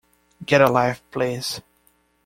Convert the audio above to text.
Get a life, please.